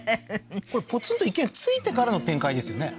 これポツンと一軒家に着いてからの展開ですよね？